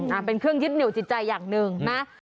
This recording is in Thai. เป็นเครื่องยึดเหนียวจิตใจอย่างหนึ่งนะ